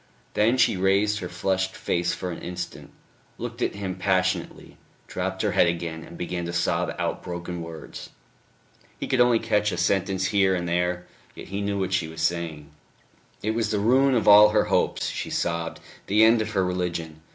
Then she raised her flushed face for an instant, looked at him passionately, dropped her head again and began to sob out broken words. He could only catch a sentence here and there, yet he knew what she was saying.... It was the ruin of all her hopes, she sobbed, the end of her religion.